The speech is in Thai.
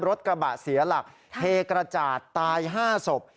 รถกระบะเสียหลักเทกระจาดตาย๕ศพ